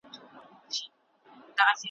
پر ګرېوانه دانه دانه شمېرلې `